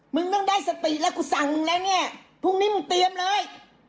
มึงต้องได้สติแล้วกูสั่งมึงแล้วเนี่ยพรุ่งนี้มึงเตรียมเลย